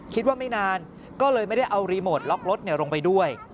ไม่นานก็เลยไม่ได้เอารีโมทล็อกรถลงไปด้วย